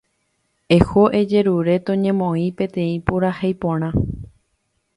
Eho ejerure toñemoĩ peteĩ purahéi porã.